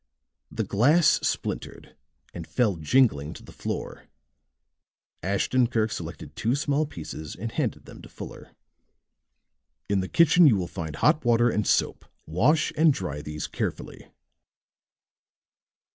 The glass splintered and fell jingling to the floor; Ashton Kirk selected two small pieces and handed them to Fuller. "In the kitchen you will find hot water and soap; wash and dry these carefully."